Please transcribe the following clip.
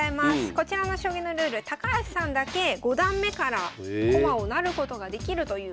こちらの将棋のルール高橋さんだけ五段目から駒を成ることができるというルールです。